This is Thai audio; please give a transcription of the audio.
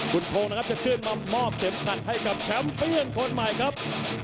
คุณโพงนะครับจะขึ้นมามอบเข็มขัดให้กับแชมป์เปียนคนใหม่ครับ